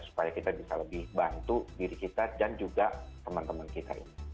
supaya kita bisa lebih bantu diri kita dan juga teman teman kita ini